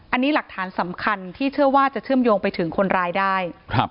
อันนี้หลักฐานสำคัญที่เชื่อว่าจะเชื่อมโยงไปถึงคนร้ายได้